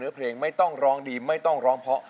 เพลงไม่ต้องร้องดีไม่ต้องร้องเพราะ